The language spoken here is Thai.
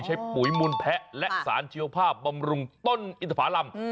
ปุ๋ยมูลแพะและสารเชียวภาพบำรุงต้นอินทภารำ